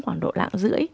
quảng độ lạng rưỡi